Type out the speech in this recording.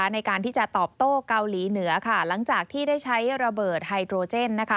ในการที่จะตอบโต้เกาหลีเหนือหลังจากที่ได้ใช้ระเบิดไฮโดรเจน